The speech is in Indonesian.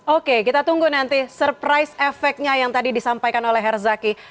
oke kita tunggu nanti surprise efeknya yang tadi disampaikan oleh herzaki